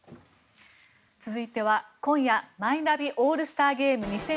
続いては今夜マイナビオールスターゲーム２０２２